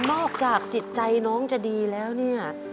อกจากจิตใจน้องจะดีแล้วเนี่ย